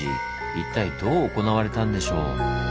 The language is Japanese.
一体どう行われたんでしょう？